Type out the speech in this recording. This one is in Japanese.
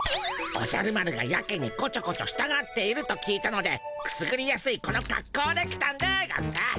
おじゃる丸がやけにこちょこちょしたがっていると聞いたのでくすぐりやすいこのかっこうで来たんでゴンス。